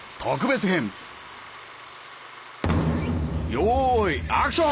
よいアクション！